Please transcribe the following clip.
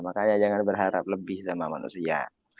makanya jangan berharap lebih sama manusia